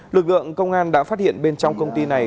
lực lượng công an đã phát hiện bên trong công ty này